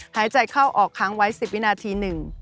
หายใจเข้าออกค้างไว้๑๐วินาที๑